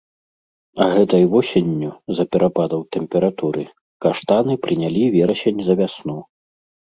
А гэтай восенню, з-за перападаў тэмпературы, каштаны прынялі верасень за вясну.